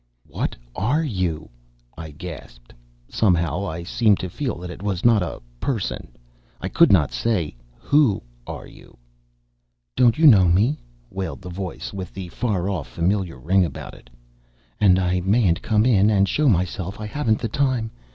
"What are you?" I gasped. Somehow I seemed to feel that it was not a person—I could not say, Who are you? "Don't you know me?" wailed the voice, with the far off familiar ring about it. "And I mayn't come in and show myself. I haven't the time.